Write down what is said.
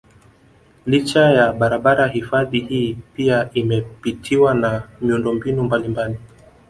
Licha ya barabara hifadhi hii pia imepitiwa na miundombinu mbalimbali